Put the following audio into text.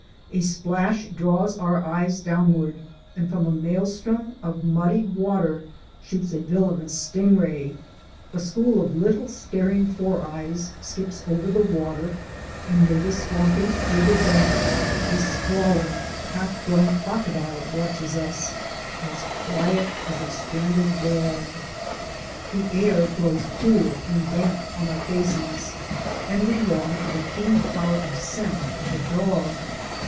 A splash draws our eyes downward, and from a maelstrom of muddy water shoots a villainous sting ray. A school of little staring four eyes skips over the water, and near the swampy, farther bank, a sprawling half grown crocodile watches us — as quiet as a stranded log. 58 OUR SEARCH FOR A WILDERNESS. The air blows cool and damp on our faces, and we long for the keen power of scent of a dog.